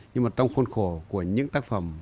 nhưng mà trong khuôn khổ của những tác phẩm